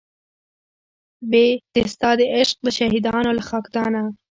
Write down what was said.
بې د ستا د عشق د شهیدانو له خاکدانه